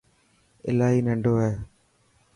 الاهي ننڊو هي.